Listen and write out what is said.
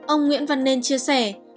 ông nguyễn văn nên chia sẻ